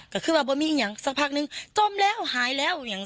ก็ขึ้นว่ามีอย่างสักพักหนึ่งจมแล้วหายแล้วอย่าง